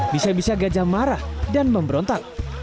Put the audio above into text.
bisa bisa gajah marah dan memberontak